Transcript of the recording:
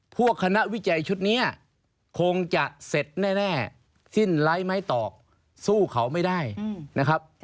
คณะวิจัยชุดนี้คงจะเสร็จแน่สิ้นไร้ไม้ตอกสู้เขาไม่ได้นะครับ